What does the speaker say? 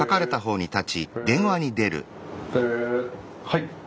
はい。